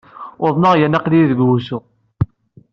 Uḍneɣ yerna aql-iyi deg wusu.